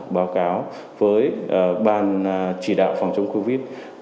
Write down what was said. báo cáo với ban chỉ đạo phòng chống covid